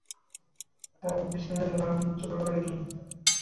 তার পিছনে রাম তেয়াড়ী!